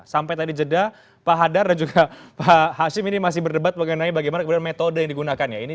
sampai tadi jeda pak hadar dan juga pak hashim ini masih berdebat mengenai bagaimana kemudian metode yang digunakan ya